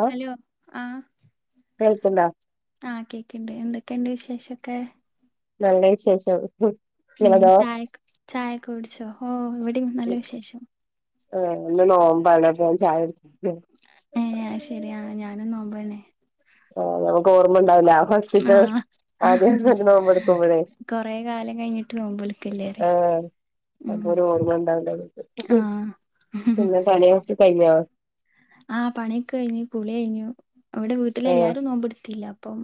ആഹ hello ആഹ് കേൾിക്കണ്ടാ ആഹ് കേക്കണ്ട് എന്തൊക്കെയുണ്ട് വിശേഷൊക്കെ നല്ല വിശേഷം ഉ നിങ്ങളതോ ചായ ചായക്കെ ഓടിച്ചോ ഹഓ ഇവിടെ നല്ല വിശേഷം ഏ എല്ല നോമ്പണപ്പ ാൻ ചായ എടു ഏ ശരിയാണ് ഞാനും നോമ്പോന്നെ ആ നമുക്ക് ഓർമ്മ ഉണ്ടാവില്ല ഹോസ്്പിറ്റ ആഹ് ആദ്യ നോമ്പ എടുക്കും ഇവിടെ കു കാലം നോമ്പൊലിക്കല്ലേ പറയാ ആഏ അ ഉം ഒരു ഓർമ്മ ഉണ്ടാവണ്ട ആഹ് പിന്ന പണയക്ക കഴിഞ്ഞ ആഹ് പണിയൊക്കെ കഴിഞ്ഞു കുളി കഴിഞ്ഞു ഇവിടെ വീട്ടില് ഏ എല്ലാരും നോമ്പിടുത്തില്ല അപ്പം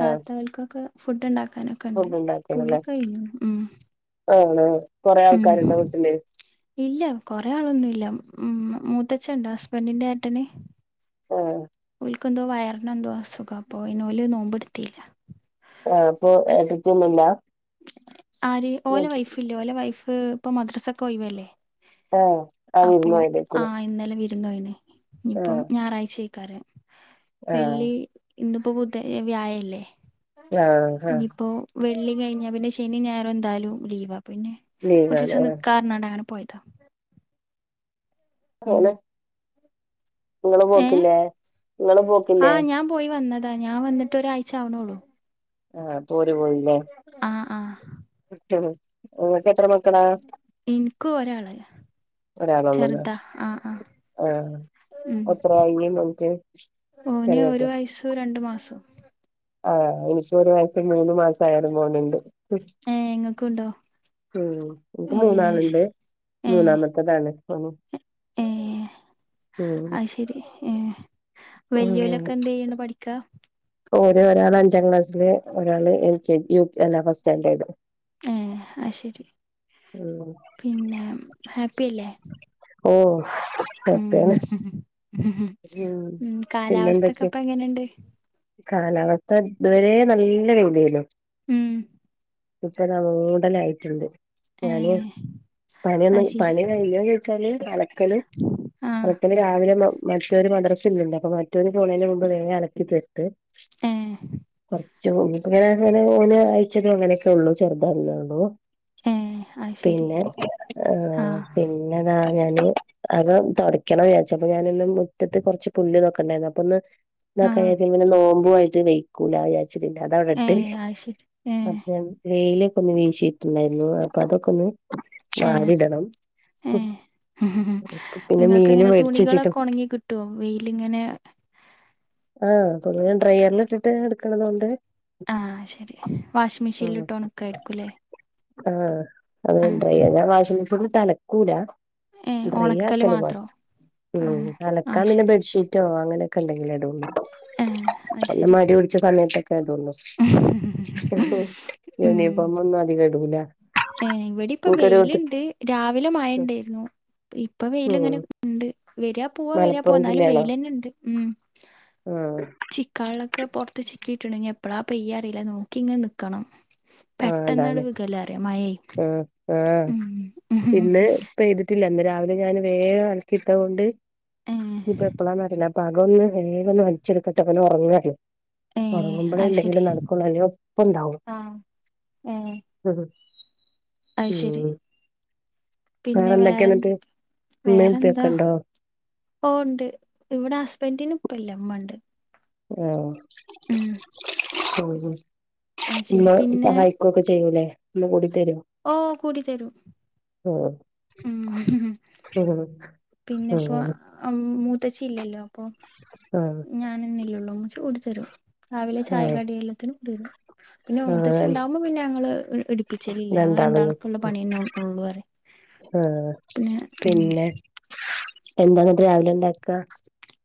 ആ ഫുഡ് ഉണ്ടാക്കാനൊക്കെ ഉണ്ട് ഫുഡ് കുളിയൊക്കെഴിഞ്ഞു മ് ആണോ കൊറെ ആൾക്കാരുണ്ടോ വീട്ടില് ഇല്ല കൊറേ ആളൊന്നും ഇല്ല മ് മൂത്തച്ഛനുണ്ട് ഹസ്ബൻഡിന്റെ ഏട്ടന് ആഹ് ഉൽക്ക് എന്തോ വയറിന് എന്തോ അസുഖം അപ്പൊ ഇന്നൂല് നോമ്പിടുത്തില്ല ആഹ് അപ്പൊ എടുക്കുന്നില്ല ആര് ഓലെ വൈഫില്ലേ ഓലെ വൈഫ് ഇപ്പൊ മദ്രസ ഒക്കെ ഒയിവല്ലേ ആഹ് ആരുന്നു [unintelligible] ഇന്നായിന് ഇപ്പം ഞായറാഴ്ചക്കാറ് ആ വെള്ളി ഇന്നിപ്പോ ബുധ വ്യാഴായില്ലേ ആഹ് അഹ് വെള്ളി കഴിഞ്ഞാ പിന്നെ ശനി ഞായറും എന്തായാലും ലീവാ പിന്നെ കുറച്ച് ലീവാണ് ദിവസം ആ നിക്കാറനാണ്ട് അങ്ങനെ പോയ് ഉം ഓല് നിങ്ങള് ഏ പോക്കില്ലേ നിങ്ങള് പോക്കില്ലേ ദാ ഞാൻ വന്നിട്ട് ഒരാഴ്ച ആവ്ണൊള്ളൂ. ആഹ് അപ്പ ഓര് പോയില്ലേ ആഹ് ആഹ് ഇങ്ങക്ക് എത്ര മക്കളാ നിക്കും ഒരാള് ഒരാളൊള്ളൂല്ലേ ചെറുതാ ആഹ് ആഹ് ആഹ് മ് എത്രയായി മോൻക്ക് ഓന് ഒരു ചെറിയോക്ക് വയസും രണ്ടു മാസും. ആഹ് എനിക്കും ഒരു വയസും മൂന്ന് മാസ ആയ ഒര് മോന് ണ്ട്. ക്കുണ്ടോ മ് എനിക്ക് മൂന്നാളുണ്ട് മൂന്നാമത്തതാണ് മ് ഏഹ് ആയ്ശരി ഏഹ് മ് ഒരു ഒരാൾ അഞ്ചാം ക്ലാസ്സിൽ ഒരാള് L K G U K അല്ല ഫസ്റ്റാൻഡേർഡ് ആഹ്. അഹ് ശരി. ഉം പിന്നെ ഹാപ്പി അല്ലേ? ഓ മ് മ് ഉം കാലാവസ്ഥ ഒക്കെ പിന്നെന്തൊക്കെ ഇപ്പ എങ്ങനുണ്ട് കാലാവസ്ഥ ഇതുവരെ നല്ല രീതിയില ഉം ഇപ്പതാ മൂടലായിട്ട്ണ്ട്. ഏ ഞാന് അത് പണിയൊന്നും ശരി പണി കഴിഞ്ഞോന്ന് ചോദിച്ചാല് അലക്കല് ആ അലക്കല് രാവിലെ മ മറ്റവര് മദ്രസ ഉണ്ടല്ലോ അപ്പൊ മറ്റൊവര് പോണേതിന് മുമ്പ് വേഗം അലക്കി തീർത്ത് ഏ കൊറച്ചും കൂടിട്ട് ഇങ്ങനെ അങ്ങനെ ഓനെ അയച്ചിട്ട് അങ്ങനെ ഒക്കെ ഉള്ളൂ ചെറുതായതല്ലേ ഒള്ളൂ ഏ അത് ശരി പിന്നെ ആ ആഹ് പിന്നെതാ ഞാന് അത് തൊടക്കണം വിചാരിച്ച അപ്പൊ ഞാനിന്ന് മുറ്റത്ത് കുറച്ച് പുല്ല് നോക്കണ്ടായിരുന്നു അപ്പൊ ഒന്ന് എന്നാ ആ കയേ പിന്നെ നോമ്പു ആയിട്ട് വെക്കൂല വിചാച്ചിട്ടില്ല അതാ ഏ അവിടെടുത്തെന്നു അത് ശരി ഏ വെയിലൊക്കെ ഒന്ന് വീശിട്ടുണ്ടായിരുന്നു അപ്പൊ അതൊക്കെ ഒന്ന് ആഹ് വിടണം മ് ഇങ്ങക്ക് ഇങ്ങനെ തുണികളൊക്കെ ഒണങ്ങി കിട്ടുവോ? വെയിലിങ്ങനെ ആഹ് തുണി എല്ലാം ഡ്രൈയറിൽ ഇട്ടിട്ട് എടുക്കണത് കൊണ്ട് ആഹ് ശരി വാഷിംഗ് ഉം മെഷീനിലിട്ട് ഒണക്കായിരിക്കൂല്ലേ ആഹ് അത് ഡ്രൈയർ ഞാൻ വാഷിംഗ്‌ മെഷീനിൽ ഇട്ട് അലക്കൂല ഏ ഡ്രൈ ഒണക്കല് ആക്കല് മാത്രോ മാത്രം ഏ മ് ആഹ് അലക്കാൻ പിന്നെ ശരി ബെഡ്ഷീറ്റോ അങ്ങനെയൊക്കെ ഉണ്ടെങ്കിലേ ഏ അത് നല്ല ശരി മടി പിടിച്ച സമയത്തൊക്കെ ആതൊന്നു ഇനിയിപ്പം ഒന്നും അതിൽ അധികം ഇടൂല ഏഹ് ഇവടി ഇപ്പ എനിക്കൊരു വെയിലിണ്ട് രാവിലെ മഴ ഇണ്ടേര്ന്നു. ഇ ഇപ്പ വെയ്ൽ ഉം ഇങ്ങനെ ഉണ്ട് വര്ആ പോവാ വര്ആ പോവാ മലപ്പുറം എന്നാലും ജില്ലയാണോ വെയ്‌ല് തന്നെ ഉണ്ട് ഉം ആഹ് ചിക്കാള്ലൊക്കെ പൊറത്ത് ചി ക്കീട്ടുണ്ടെങ്കി എപ്പളാ പെയ്യ അറിയില്ല നോക്കി ഇങ്ങന നിക്കണം. ആഹ് പെട്ടന്ന് അവ്ട അതാണ് വിക്കല്ലാറിയാം മയേ ആഹ് ആഹ് ഉം ഇന്ന് ഇപ്പ എട്ത്തില്ല ഇന്ന് രാവിലെ ഞാൻ വേഗം എളക്കി ഇട്ട കൊണ്ട് ഏ ഇനിപ്പ എപ്പളാന്നറിയില്ല അപ്പൊ അകം ഒന്ന് വേഗൊന്ന് വലിച്ചെടുക്കട്ടെ പെണ്ണ് ഒറങ്ങാണ് ഏ ഒറങ്ങുമ്പളേ അത് ശരി എന്തെങ്കിലും നടക്കോളൂ അല്ലോ പ്പം ഒണ്ടാവും ആഹ് ഏ അത് ശരി ഉം വേറെ പിന്നെ എന്തൊക്കെയ എന്നിട്ട് വേറെന്തക്കെ ഉമ്മയും ഉപ്പയൊക്കെ വേറെന്താ ഉണ്ടോ ഓ ഒണ്ട് ഇവടെ ഹസ്ബൻറിന് ഉപ്പ ഇല്ല ഉമ്മ ഒണ്ട് ആഹ് മ്‌ഹ് അത് ഉമ്മ ശരി ഈ പിന്നെ സഹായിക്കൊക്കെ ചെയ്യൂല്ലേ ല്ല പൊടി ഓ കൂട്ടി തരും ആഹ് ഉം ആഹ് പിന്നെപ്പോ ആഹ് അമ്‌മൂ മുത്തശ്ശി ഇല്ലല്ലോ അപ്പൊ ആഹ് ഞാനൊന്നല്ലേള്ളൂ ഉമ്മച്ചി കൂട്ടിത്തരോ രാവിലെ ചായ കടി എല്ലാത്തിനും ഇട്ട് തരും പിന്നെ ആഹ് മുത്തശ്ശി ആഹ് ഉണ്ടാകുമ്പോ പിന്നെ ഞങ്ങള് എ എടിപ്പിച്ചലില്ലേ [unintelligible] ഇഹ് ആഹ് പിന്നെ ഉം പിന്നെ എന്താണ് അത്ര രാവിലെ ഉണ്ടാക്കാ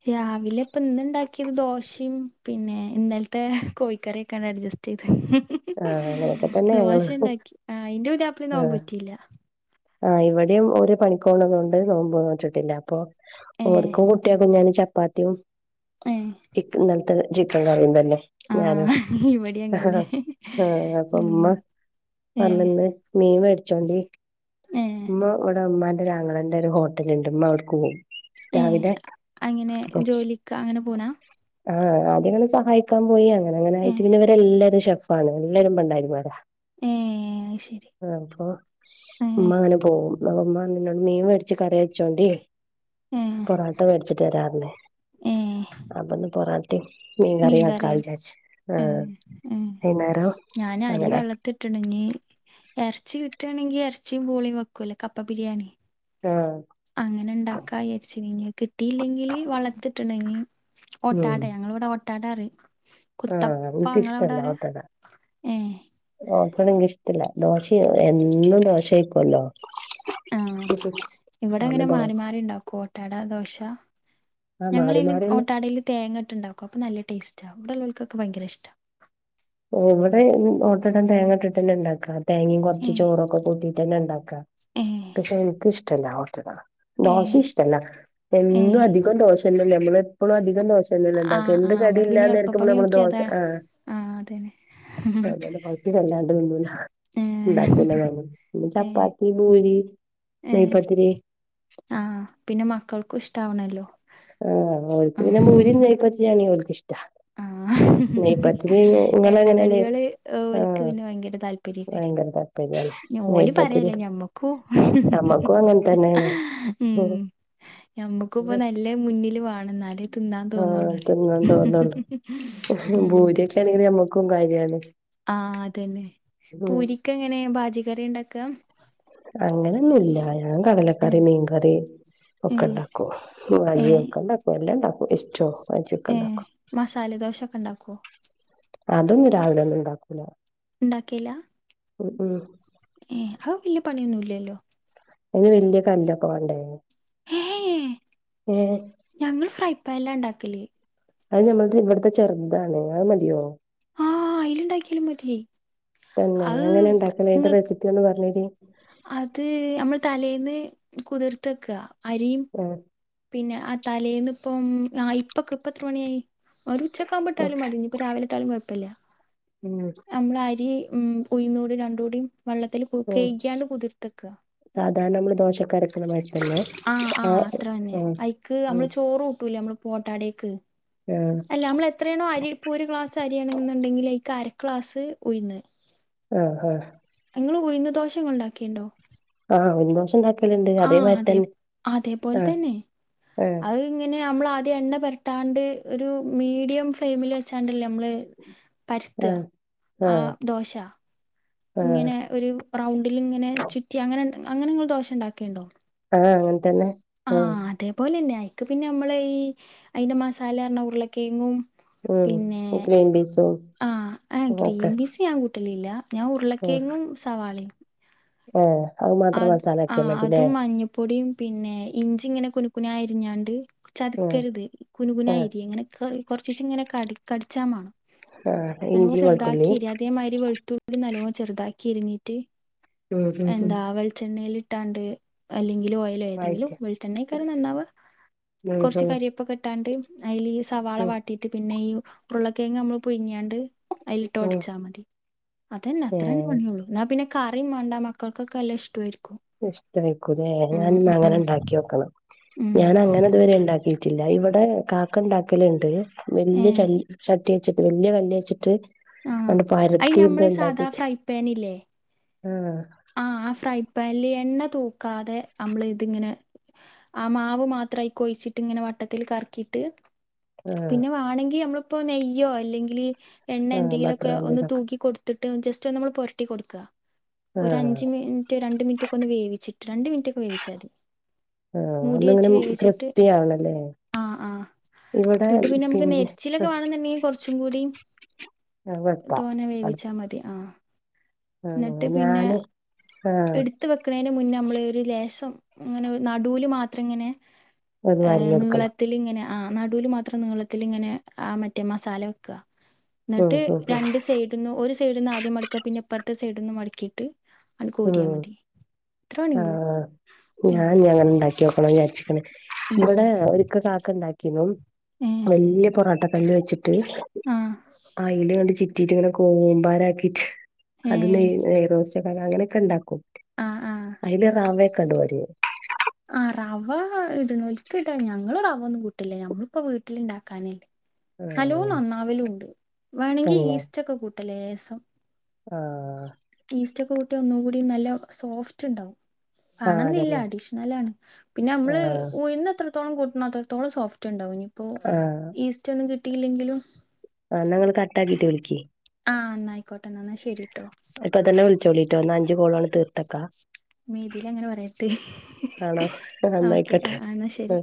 രാവിലെ ഇപ്പ ഇന്ന് ഇണ്ടാക്കിയത് ദോശേം പിന്നെ ഇന്നലത്തെ കോഴിക്കറിയൊക്കെ ആണ് അഡ്ജസ്റ്റ് ചെയ്ത് ആഹ് അങ്ങനെയൊക്കെ തന്നെ ഞങ്ങള് ദോശ ഇണ്ടാക്കി ആ അയിന്റെ ഒര് ആപ്പിളി നോമ്പ് ആഹ് പറ്റീല്ല ആഹ് ഇവിടെയും ഒരു പണിക്കോണക്കെ ഒണ്ട് നോമ്പ് നോറ്റിട്ടില്ല അപ്പൊ ഏ ഓർക്കും കുട്ടിയേക്കും ഞാൻ ചപ്പാത്തിയും ഏ ചിക്കൻ ഇന്നല്ലത്തെ ചിക്കൻ കറിയും തന്നെ ഞാനും ആഹ് ഇവിടിം അങ്ങന്നെ ആഹ് അപ്പം ഉം ഉമ്മ ഏഹ് പറഞ്ഞന്ന് മീൻ മേടിച്ചോണ്ടേ ഇരിക്കും ഏഹ് ഉമ്മ ഇവിടെ ഉമ്മാൻ്റെ ഒര് അങ്ങളേൻ്റെ ഒര് ഹോട്ടലുണ്ട് ഉമ്മ അവിടേക്ക് പോവും ഏ രാവിലെ അങ്ങനെ അപ്പൊ ജോലിക്ക് അങ്ങനെ പോനാ ആഹ് ആദ്യങ്ങനെ സഹായിക്കാൻ പോയി അങ്ങനെ അങ്ങനെ ആയിട്ട് ഏഹ് പിന്നെവരെല്ലാരും ഷെഫാണ് എല്ലാരും പണ്ടാരിമാരാ ഏഹ് അത് ശരി ആഹ് അപ്പൊ ഉമ്മ ഏഹ് അങ്ങനെ പോവും ന്നാള് ഉമ്മ നിന്നോട് മീൻ മേടിച്ച് കറി വെച്ചോണ്ടേ ഏഹ് പൊറോട്ട മേടിച്ചിട്ട് വരാറില്ലേ ഏഹ് അപ്പൊന്ന് പൊറാട്ടേം മീൻ കറിയാക്കാ വിജാരിച്ച് ആഹ് ഉം വൈന്നേരം ഞാന് അരി അങ്ങനെ വെള്ളത്തി ഇട്ടിണ്ടങ്കി എറച്ചി കിട്ടേണങ്കി എറച്ചിയും പൂളേം വെക്കൂല്ലേ കപ്പ ബിരിയാണി ആഹ് അങ്ങനെ ഉണ്ടാക്കായ് വിചാരിച്ചിനി ഇനി അത്കിട്ടിയില്ലെങ്കില് വളളത്തിട്ടുണങ്ങി ഉം ഒട്ടാടയാ ഞങ്ങള് ഇവിട ഇവിട ഒട്ടാടറിയും ആഹ് വീട്ടിഷ്ടല്ല ഓട്ടട ഏഹ് ഓ ക്കണെങ്കി ഇഷ്ടല്ല ദോശ എന്നും ദോശ ആയിക്കുവല്ലോ ആഹ് ഇവടെ അതുകൊണ്ട് അങ്ങനെ ദോ മാറി മാറി ഇണ്ടാക്കും ഓട്ടട, ദോശ ആഹ് ഞങ്ങള് മാറി ഈല് മാറിയന്നെ ഓട്ടടേല് തേങ്ങ ഇട്ട്ണ്ടാക്കും അപ്പൊ നല്ല ടേസ്റ്റാ ഇവിടെ ഉള്ളോൾ ഇതൊക്കെ ഭയങ്കര ഇഷ്ടാ ഇവ്‌ടെ എന്നും ഓട്ടട തേങ്ങ ഇട്ടിട്ട് തന്നെ ഇണ്ടാക്കാ തേങ്ങയും കൊറച്ച് ഏ ചോറൊക്ക കൂട്ടിട്ട് തന്നെ ഇണ്ടാ ക്ക ഏ പക്ഷെ എനിക്ക് ഇഷ്ട്ടല്ല ഓട്ടട. ഏ ദോശി ഇഷ്ടല്ല. ഏ എന്നും അധികം ദോശന്നല്ലേ നമ്മള്. എപ്പളും അധികം ദോ ശന്നല്ലെ ആ ഇണ്ടാക്കാ. ആ എന്ത് നമ്മള് കടിയില്ലാ പിന്നെ നേരത്തും എളുപ്പപ്പണി മ്മള് മ്മള് നോക്കിയ ദോശ അതാ ആഹ് ആ അതന്നെ [unintelligible] അല്ലാണ്ട് തിന്നൂല. ഏ ഇണ്ടാക്കൂല ഞാനൊന്നും പിന്നെ ഏ ചപ്പാത്തി ബൂരി നെയ്പ്പത്തിരി ആഹ് പിന്നെ മക്കൾക്കും ഇഷ്ടാവ ആഹ്ഓൽക്ക് പിന്നെ മൂരിം നെയ്പ്പത്തിരിം ആണെങ്കി ഓൽക്ക് ഇഷ്ടാ. ആഹ് എണ്ണ കടികള് ഓൽക്ക് ആഹ് പിന്നെ ഭയങ്കര താല്പര്യയ്ക്കാരേ ഭയങ്കര താല്പര്യാണ് ഇഞ്ഞ് ഓലിം നെയ്പത്തിരി പറയാല്ല്യ ഞമ്മക്കും നമ്മക്കും അങ്ങൻ തന്നേണ് ഉം ഞമ്മക്കുപ്പ നല്ലത് മുന്നില് വാണം ഇന്നാല് ആഹ് തിന്നാൻ തോന്നൊള്ളൂ ഇഹ് ബൂര്യെക്കാണെങ്കില് ഞമ്മക്കും കാര്യാണ്. ആഹ് അതന്നെ ഉം പൂരിക്ക് എങ്ങനെ ഭാജി കറ്യാ ഇണ്ടാക്ക? അങ്ങനെന്നുല്ല ഞാൻ കടലക്കറി മീൻകറി ഏ ഒക്കെ ഇണ്ടാക്കും ഭാജി ഒക്കെ ഇണ്ടാക്കും എല്ലാം ഇണ്ടാ ഇഷ്ട്വോ ഏഹ് മസാല ദോശൊക്കെ ഇണ്ടാക്കോ? അതൊന്നും രാവിലെ ഒന്നും ഉണ്ടാക്കൂല. ഇണ്ടാക്കേല്ലാ? ഉ ഉം ഏഹ് അഹ് വല്യേ പണിയൊന്നുംല്ലല്ലോ. അയ്ന് വല്യ കല്ലൊക്കെ വാണ്ടേ? ഹേ, ഞങ്ങള് ഫ്രൈ പാൻ ലാ ഇണ്ടാക്കല്. അത് ഞമ്മളത് ഇവട്ത്തെ ചെറ്താണ് അത് മതിയോ? ആഹ് അയ്‌ല്ണ്ടാക്കിയാലും മതി. തന്നെ അത് എങ്ങനെ ഇണ്ടാക്കല് നിങ്ങ അയ്ൻ്റെ റെസിപ്പിയൊന്ന് പറഞ്ഞേരീം അത് നമ്മൾ തലേന്ന് കുതിർത്തെക്ക അരിം ആഹ് പിന്നെ ആ തലേന്ന്പ്പം ആ ഇപ്പൊക്കെ ഇപ്പ എത്ര മണിയായി? ഒരു ഉച്ചക്കഉമ്പട്ടാലും മതി ഞ് ഇപ്പോ രാവിലെട്ടാലും കുഴപ്പല്ല ഉം നമ്മൾ അരി ഉം ഉയ്ന്നൂടി രണ്ടുടി വെള്ളത്തില് കു കഴിക്കാണ്ട് കുതിർത്തക്ക താണ് നമ്മള് ദോഷക്കാരത്തിന് മാരി ആഹ് ആഹ് അത്ര തന്നെ ഐക്ക് ഉം അമ്മള് ചോറൂട്ടൂലേ അമ്മള് ഓട്ടേടക്ക് ആഹ് അല്ല അമ്മള് എത്രേണോ അരി ഇട്കു ഒരു ക്ലാസ് അരിയാണേന്ന്ണ്ടെങ്കില് കര്ക്ലാസ് ഉയിന്ന് ആഹ് ആഹ് ങ്ങള് ഉയ്ന്ന് ദോഷ ഉണ്ടാക്കേണ്ടോ ആഹ് ഉയ്‌ന്ന് ദോഷ ണ്ടാ ആഹ് അതെ അതേപോൽ ആഹ് തന്നെ ആഹ് അഹ്ങ്ങനെ നമ്മൾ ആദ്യം എണ്ണ പരത്താണ്ട് ഒരു മീഡിയം ഫ്ലെയിമിൽ വെച്ചാണ്ടല്ലേ മ്മള് പര്ത്ത ആഹ് ആഹ് ദോശ ആഹ് ങ്ങനെ ഒരു റൗ ണ്ടില്ങ്ങനെ ചുറ്റി അങ്ങനെ അങ്ങനെങ്ങൾ ദോഷ ണ്ടാക്കേണ്ടോ? ആഹ് അങ്ങൻ തന്നെ ആഹ് അതേപോലെന്നെ അയിക്ക് പിന്നെ മ്മള് ഈ അയ്ന്റെ മസാലാർഞ ഉരുളക്കെങ്ങും ഉം പിന്നെ ഗ്രീൻ പീസും ആഹ് ഏഹ് ഒക്കെ ഗ്രീപീസ് യാൻ കുട്ടെ ട്ട്ലില്ല ഞാൻ ഉരുളക്കെങ്ങും സവാളി ഏഹ് അഹ് മാത്രം മസാലാക്ക്യാ ആഹ് മതില്ലേ അതും മഞ്ഞപ്പൊടിയും പിന്നെ ഇഞ്ചി ഇങ്ങനെ കുനുക്കുന എരിഞ്ഞാണ്ട് ആഹ് ചത്ക്കരുത് കുനുകുന ആഹ് ഇരി ഇങ്ങനെ കെ കൊർചീചെങ്ങനെ കടി കടിച്ചാ മാണോ ആഹ് നല്ലോം ഇഞ്ചി വെളുത്തുള്ളി ചെറുതാക്കി എര്യ അതേമായ്രി വെൾതുളി നല്ലോ ചെറുതാക്കി എരുഞ്ഞീട്ട് ഉം ഉം ഉം എണ്ണെയിലിട്ടാണ്ട് അല്ലെങ്ക [unintelligible] ഓയിലോ ഏതെങ്കിലും വഴറ്റ വെളിച്ചെണ്ണക്കാ നന്നാവാ ഉം കുറച്ച് ഉം കരിയേപ്പൊക്കെ ഇട്ടാണ്ട് അയിൽ ഈ സവാള ഉം വാട്ടീട്ട് പിന്നെ ഈ ഉരുളക്കെഴങ്ങ് നമ്മള് പുയുങ്ങിയാണ്ട് അയിലിട്ട് ഉം ഒടച്ചാ മതി അതന്നെ അത്രേ ഏഹ് പണിയുള്ളൂ പിന്നെ കറിയും വേണ്ട മക്കൾക്കൊക്കെ നല്ല ഇഷ്ടായിരിക്ക് ഇഷ്ടായിരിക്കും ലേ ഞാനിന്നാ ഉം അങ്ങനെ ഇണ്ടാക്കി നോക്കണം ഉം ഞാൻ അങ്ങനെ ഇതുവരെ ഇണ്ടാക്കി റ്റില്ല ഇവിടെ കാക്ക ഇണ്ടാക്കലുണ്ട് ഏ വല്യ ച ൽ ചട്ടി വച്ചിട്ട് വല്യ കല്ല് വച്ചിട്ട് ആ ആണ്ട് അത് പരത്തിയെല്ലം ഞമ്മള് സാധാ ഇണ്ടാക്കിട്ട് ആഹ് ആഹ് ആ ഫ്രൈ പാനില് എണ്ണ തൂക്കാതെ നമ്മള് ഇതിങ്ങനെ ആ മാവ് മാത്രമായി കൊഴിച്ചിട്ട് ഇങ്ങനെ വട്ടത്തിൽ കറക്കിയിട്ട് ആഹ് പിന്നെ വേണെങ്കി നമ്മളിപ്പോ നെയ്യോ അല്ലെങ്കില് എണ്ണ ആഹ് ബട്ടർ എന്തെങ്കിലുമൊക്കെ ഒന്ന് മന്തിയുടെ തൂക്കി കൊടുത്തിട്ട് ജസ്റ്റ് ഒന്ന് നമ്മള് പൊരട്ടി കൊടുക്കാ ഒര് ആഹ് അഞ്ച് മിനിറ്റ് രണ്ട് മിനിറ്റ് ഒക്കെ ഒന്ന് വേവിച്ചിട്ട് രണ്ട് മിനിറ്റ് ഒക്കെ വേവിച്ചാ മതി ആഹ് ആ മൂടി ഒന്ന് ഇങ്ങനെ വെച്ച് വേവിച്ചിട്ട് ക്രിസ്പി ആവണല്ലേ ആഹ് ആഹ് ഇവിടെ ഇന്നിട്ട് നമുക്ക് പിന്നെ നെരിച്ചിലൊക്കെ വേണെന്നുണ്ടെങ്കിൽ കുറച്ചും കൂടി വെപ്പാ തോന വേവിച്ചാൽ മതി ആഹ് എന്നിട്ട് ആഹ് പിന്നെ ഞാന് ആഹ് എടുത്ത് വെക്കണേന് മുന്നേ നമ്മള് ഒരു ലേശം ഇങ്ങനെ നടൂല് മാത്രം ഇങ്ങനെ അത് ഏഹ് വാരിയെടുക്കണം നീളത്തില് ഇങ്ങനെ ആഹ് നടൂല് മാത്രം നീളത്തിൽ ഇങ്ങനെ ആ മറ്റേ മസാല വെക്കുക ഉം എന്നിട്ട് ഉം രണ്ട് സൈഡ്ന്നും ഒരു [unintelligible] സൈഡ്ന്ന് ആദ്യം മടക്കാ പിന്നെ ഇപ്പറത്തെ സൈഡ്ന്നും മടക്കീട്ട് ഉം ആഹ് ഉം ഞാൻ ഇനി അങ്ങനെ ഉണ്ടാക്കി നോക്കണന്ന് വിചാരിച്ച് ക്കണ് ഉം ഇവിടെ ഒരിക്ക കാക്ക ഉണ്ടാക്കീനു ഏ വലിയ പൊറോട്ട കല്ല് വെച്ച് [unintelligible] ആഹ് അയിൽ ഇങ്ങനെ ചിറ്റിട്ട് ഇങ്ങനെ കൂമ്പാരാക്കിറ്റ് ഏ അത് നെയ്യ് നെയ്റോസ്റ്റ് പല അങ്ങനെയൊക്കെ ഉണ്ടാക്കും ആഹ് ആഹ് അതില് റവയൊക്കെ ഇടും അവര് ആഹ് റവ ഇടുന്നോൽക്ക് ഇടാ ഞങ്ങള് റവ ഒന്നും കൂട്ടലില്ല ഞമ്മളിപ്പോ വീട്ടിലിണ്ടാക്കാനല്ലേ നല്ലോം ആഹ് നന്നാവലും ഉണ്ട് വേണെങ്കി തന്നെ ഈസ്റ്റൊക്കെ കൂട്ടാ ലേശം ആഹ് ഈസ്റ്റക്കെ കൂട്ടിയാ ഒന്നും കൂടി നല്ല സോഫ്റ്റ് ഉണ്ടാവും ആഹ് മാണന്നില്ല അതന്നെ അഡീഷണലാണ് പിന്നെ നമ്മള് ആഹ് ഉഴുന്നെത്ര എത്രത്തോളം കൂട്ട്ണോ അത്രത്തോളം സോഫ്റ്റ് ഉണ്ടാവും ഇനി ഇപ്പോ ഈസ്റ്റ് ഒന്നും കിട്ടിയില്ലെങ്കിലും ആ ന്നാ ഇങ്ങള് കട്ടാക്കീട്ട് വിളിക്ക് ആ ന്നാ ആയിക്കോട്ടെ എന്നാൽ ശരി ഇപ്പൊതന്നെ വിളിച്ചോളിട്ടോ എന്നാ അഞ്ച് കോളങ്ങ് തീർത്ത് വെക്കാ മ്മേ ഇതിൽ അങ്ങനെ പറയരുത് ആണോ ഓക്കെ എന്നായിക്കോട്ടെ ആഹ് ആഹ് എന്നാ ഉം ശരി